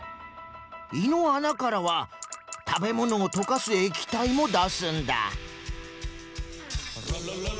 胃のあなからは食べ物をとかす液体もだすんだ。